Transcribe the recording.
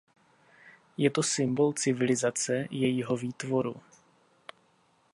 Je to symbol civilizace, jejího výtvoru.